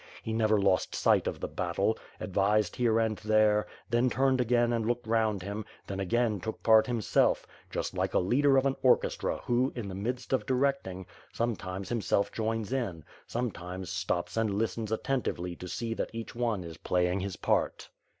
He never lost sight of the battle, advised here and there, then turned again and looked round him, then again took part himself; just like a leader of a orchestra who, in the midst of direct ing, sometimes himself joins in; sometimes stops and listens attentively to see that each one is playing his part.